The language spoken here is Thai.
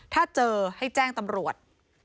ถ้าเจอให้แจ้งตำรวจ